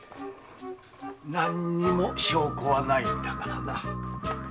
何も証拠はないんだからな。